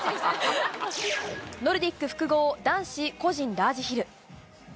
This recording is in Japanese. ノルディック複合男子個人ラージヒル。